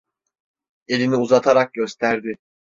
Elini uzatarak gösterdi.